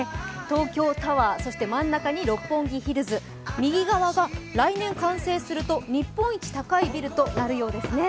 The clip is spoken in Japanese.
東京タワー、そして真ん中に六本木ヒルズ右側が来年完成すると日本一高いビルとなるようですね。